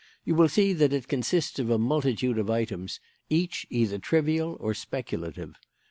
You will see that it consists of a multitude of items, each either trivial or speculative.